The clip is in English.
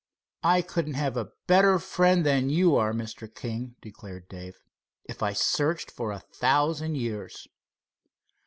"I couldn't have a better friend than you are, Mr. King," declared Dave, "if I searched for a thousand years."